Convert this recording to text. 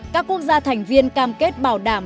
các quốc gia thành viên cam kết bảo đảm